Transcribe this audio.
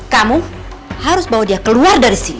kamu harus bawa dia keluar dari sini